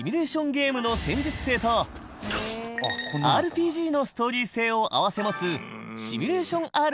ゲームの戦術性とＲＰＧのストーリー性を併せ持つシミュレーション